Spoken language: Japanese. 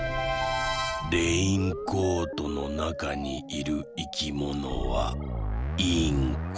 レインコートのなかにいるいきものは「インコ」。